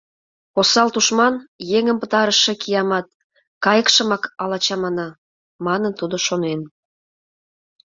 «Осал тушман, еҥым пытарыше киямат, кайыкшымак ала чамана», — манын тудо шонен.